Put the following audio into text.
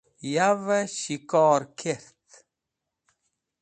Yavey S̃hikor Kert